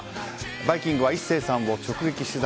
「バイキング」は壱成さんを直撃取材。